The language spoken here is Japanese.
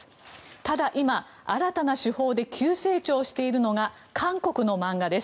ただ、今、新たな手法で急成長しているのが韓国の漫画です。